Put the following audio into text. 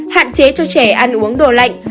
hạn chế cho trẻ ăn uống đồ lạnh